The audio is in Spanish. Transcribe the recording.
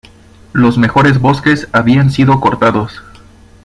Los mejores bosques habían sido cortados.